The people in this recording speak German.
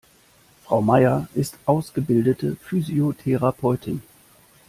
Frau Maier ist ausgebildete Physiotherapeutin.